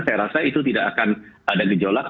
saya rasa itu tidak akan ada gejolak